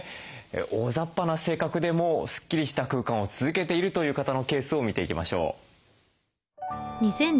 大ざっぱな性格でもスッキリした空間を続けているという方のケースを見ていきましょう。